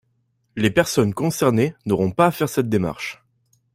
Les personnes concernées n’auront pas à faire cette démarche.